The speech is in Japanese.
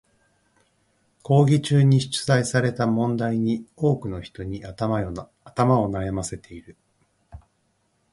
講義中に出題された問題に多くの人に頭を悩ませている。